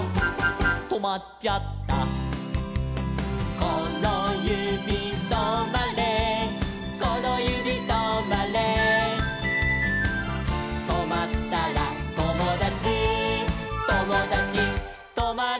「このゆびとまれこのゆびとまれ」「とまったらともだちともだちとまれ」